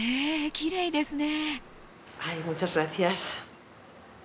きれいですね！